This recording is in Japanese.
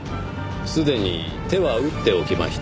すでに手は打っておきました。